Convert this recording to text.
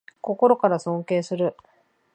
心から尊敬する